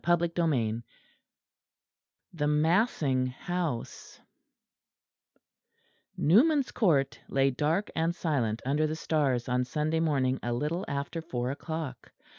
CHAPTER VIII THE MASSING HOUSE Newman's Court lay dark and silent under the stars on Sunday morning a little after four o'clock.